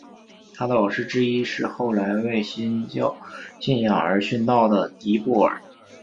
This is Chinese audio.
他的老师之一是后来为新教信仰而殉道的迪布尔。